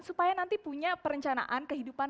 supaya nanti punya perencanaan kehidupan